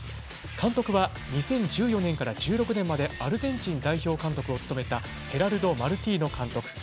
監督は２０１４年から１６年までアルゼンチン代表監督を務めたヘラルド・マルティーノ監督。